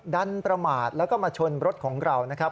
ดันประมาทแล้วก็มาชนรถของเรานะครับ